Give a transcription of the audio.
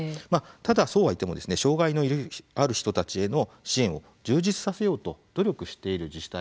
ただそうは言っても障害のある人たちへの支援を充実させようと努力している自治体もあります。